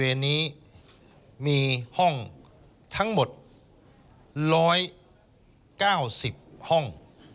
นี้มีห้องทั้งหมด๑๙๐ห้อง